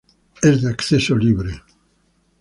Es de acceso libre.